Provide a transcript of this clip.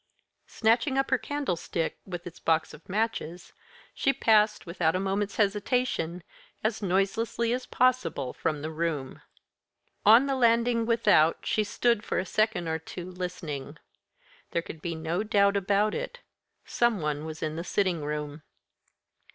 Snatching up her candlestick, with its box of matches, she passed, without a moment's hesitation, as noiselessly as possible from the room. On the landing without she stood, for a second or two, listening. There could be no doubt about it some one was in the sitting room.